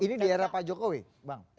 ini di era pak jokowi bang